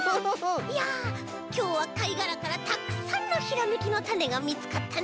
いやきょうはかいがらからたくさんのひらめきのタネがみつかったね。